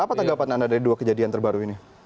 apa tanggapan anda dari dua kejadian terbaru ini